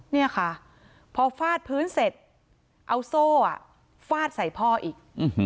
เนี่ยค่ะพอฟาดพื้นเสร็จเอาโซ่ฟาดใส่พ่ออีก